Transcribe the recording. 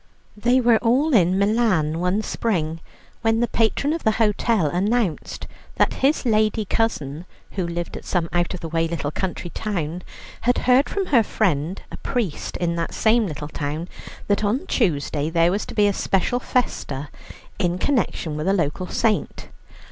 They were all in Milan one spring, when the patron of the hotel announced that his lady cousin, who lived at some out of the way little country town, had heard from her friend, a priest in that same little town, that on Tuesday there was to be a special festa in connection with a local saint.